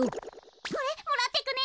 これもらってくね。